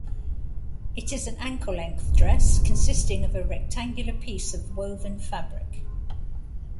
It is an ankle-length dress consisting of a rectangular piece of woven fabric.